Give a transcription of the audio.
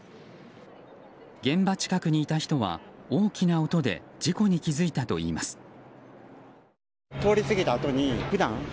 現場近くにいた人は、大きな音で事故に気付いたといいます。